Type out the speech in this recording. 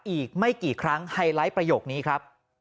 อีกไม่กี่ครั้งไฮไลท์ประโยคนี้ครับ